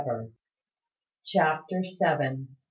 CHAPTER SEVEN.